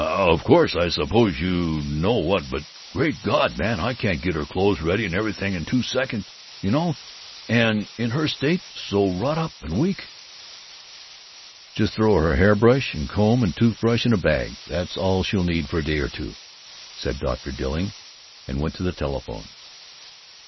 "I I Of course, I suppose you know what But great God, man, I can't get her clothes ready and everything in two seconds, you know! And in her state, so wrought up and weak " "Just throw her hair brush and comb and tooth brush in a bag; that's all she'll need for a day or two," said Dr. Dilling, and went to the telephone.